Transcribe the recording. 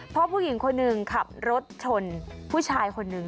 เพราะผู้หญิงคนหนึ่งขับรถชนผู้ชายคนหนึ่ง